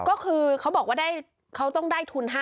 ก็คือเขาบอกว่าเขาต้องได้ทุน๕๐๐